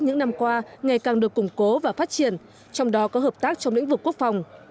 những năm qua ngày càng được củng cố và phát triển trong đó có hợp tác trong lĩnh vực quốc phòng